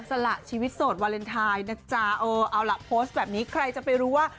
สละชีวิตโสดวาเลนไทยนะจ๊ะเออเอาล่ะโพสต์แบบนี้ใครจะไปรู้ว่า